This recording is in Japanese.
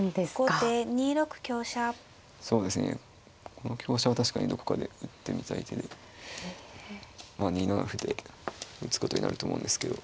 この香車は確かにどこかで打ってみたい手でまあ２七歩で打つことになると思うんですけど。